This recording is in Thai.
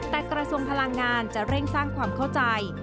แต่กระทรวงพลังงานจะเร่งสร้างความเข้าใจ